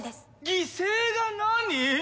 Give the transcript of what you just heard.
犠牲が何！？